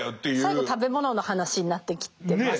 最後食べ物の話になってきてますしね。